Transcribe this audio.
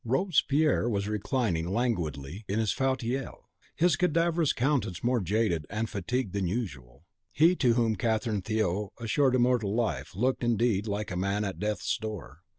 Robespierre was reclining languidly in his fauteuil, his cadaverous countenance more jaded and fatigued than usual. He to whom Catherine Theot assured immortal life, looked, indeed, like a man at death's door.